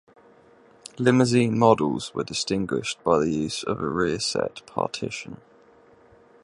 Limousine models were distinguished by the use of a rear-seat partition.